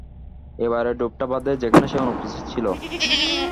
এবারের ড্রোভটা বাদে যেখানে সে অনুপস্থিত ছিল।